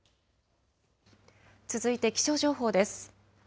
続いて気象情報です。